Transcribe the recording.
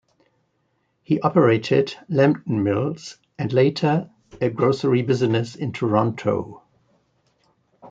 He operated Lambton Mills and later a grocery business in Toronto.